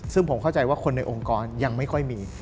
ซึ่งผมเข้าใจว่าคนในองค์กรยังไม่ค่อยมี